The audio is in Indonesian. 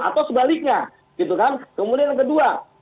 atau sebaliknya gitu kan kemudian yang kedua